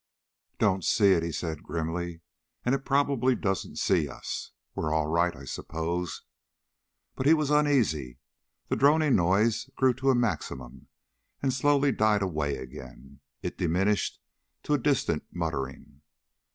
"Don't see it," he said grimly, "and it probably doesn't see us. We're all right, I suppose." But he was uneasy. The droning noise grew to a maximum and slowly died away again. It diminished to a distant muttering.